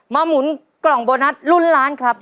หมุนกล่องโบนัสลุ้นล้านครับ